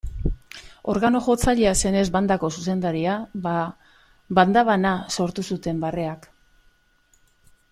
Organo-jotzailea zenez bandako zuzendaria, bada, banda bana sortu zuten barreak.